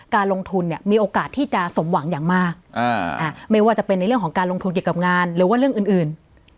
การลงทุนเนี่ยมีโอกาสที่จะสมหวังอย่างมากไม่ว่าจะเป็นในเรื่องของการลงทุนเกี่ยวกับงานหรือว่าเรื่องอื่น